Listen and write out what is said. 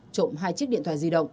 trộm hai chiếc điện thoại di động